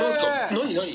「何？何？」